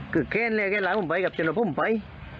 คือแค่ในระหว่างเดิมไปกับฉันก็ไม่ไป